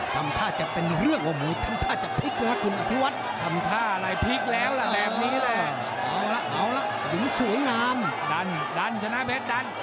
ทำท่าจะเป็นเรื่องทำท่าจะพลิกนะครับคุณอภวัฏ